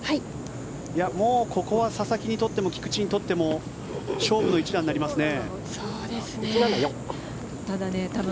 もうここはささきにとっても菊地にとっても勝負の一打になりますね。